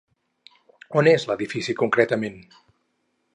On és l'edifici concretament?